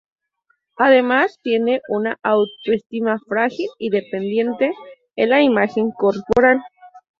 Además, tienen una autoestima frágil y dependiente en la imagen corporal.